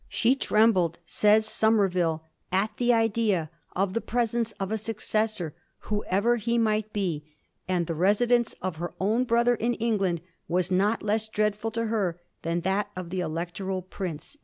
She trembled/ says Somerville, * at the idea of the presence of a successor, whoever he might be; and the residence of her own brother in England was not less dreadful to her than that of the Electoral Prince.'